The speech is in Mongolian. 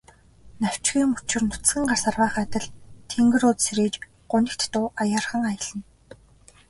Навчгүй мөчир нүцгэн гар сарвайх адил тэнгэр өөд сэрийж, гунигт дуу аяархан аялна.